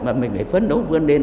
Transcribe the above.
mà mình phải phấn đấu vươn lên